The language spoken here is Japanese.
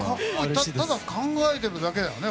ただ考えているだけだよね？